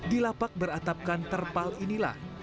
di lapak beratapkan terpal inilah